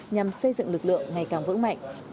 nhằm xây dựng lực lượng ngày càng vững mạnh